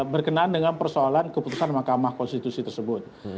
berkenaan dengan persoalan keputusan mahkamah konstitusi tersebut